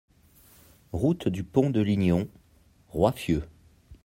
Route du Pont de Lignon, Roiffieux